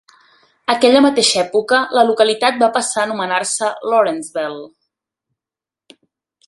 Aquella mateixa època, la localitat va passar a anomenar-se "Lawrenceville".